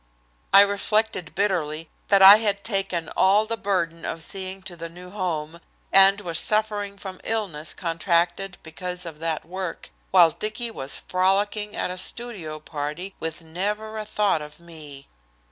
I reflected bitterly that I had taken all the burden of seeing to the new home, and was suffering from illness contracted because of that work, while Dicky was frolicking at a studio party, with never a thought of me.